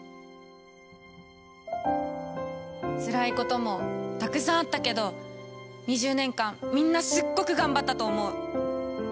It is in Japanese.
つらいこともたくさんあったけど２０年間みんなすっごく頑張ったと思う。